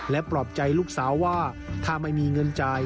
ปลอบใจลูกสาวว่าถ้าไม่มีเงินจ่าย